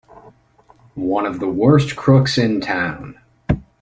One of the worst crooks in town!